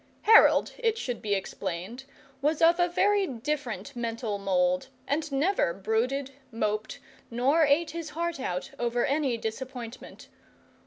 Harold, it should be explained, was of a very different mental mould, and never brooded, moped, nor ate his heart out over any disappointment.